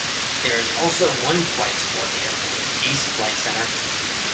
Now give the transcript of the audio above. There is also one flight school at the airport, Ace Flight Center.